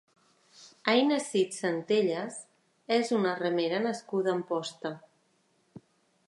Aina Cid Centelles és una remera nascuda a Amposta.